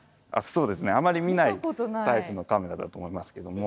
そうですねあまり見ないタイプのカメラだと思いますけども。